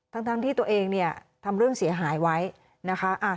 ทั้งที่ตัวเองเนี่ยทำเรื่องเสียหายไว้นะคะ